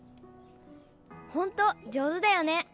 ほんと上手だよね。